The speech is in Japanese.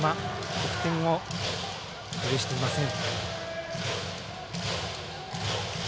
得点を許していません。